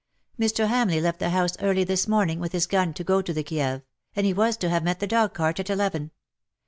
Mr. Hamleigh left the house early this morning with his gun to go to the Kieve, and he was to htive met the dog cart at eleven.